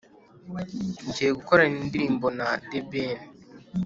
Ngiye gukorana indirimbo na The ben